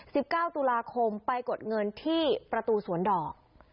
สิบเก้าตุลาคมไปกดเงินที่ประตูสวนดอก